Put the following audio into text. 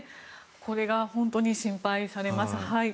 これが本当に心配されます。